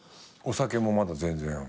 お酒もまだ全然？